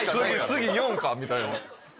「次４か」みたいに。